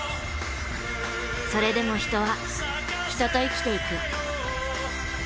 それでも人は人と生きていく。